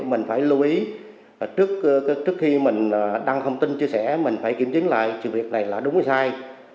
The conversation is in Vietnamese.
mình phải lưu ý trước khi mình đăng thông tin chia sẻ mình phải kiểm chứng lại sự việc này là đúng hay sai